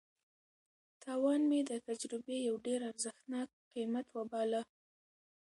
تاوان مې د تجربې یو ډېر ارزښتناک قیمت وباله.